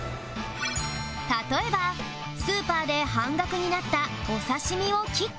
例えばスーパーで半額になったお刺身を切って